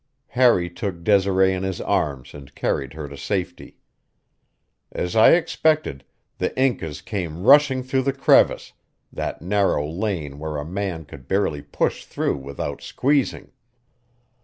Harry took Desiree in his arms and carried her to safety. As I expected, the Incas came rushing through the crevice that narrow lane where a man could barely push through without squeezing.